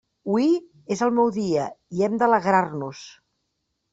Hui és el meu dia, i hem d'alegrar-nos.